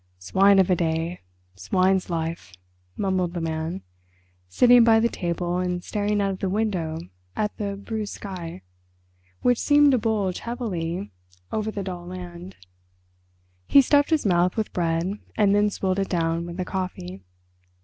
"Swine of a day—swine's life," mumbled the Man, sitting by the table and staring out of the window at the bruised sky, which seemed to bulge heavily over the dull land. He stuffed his mouth with bread and then swilled it down with the coffee.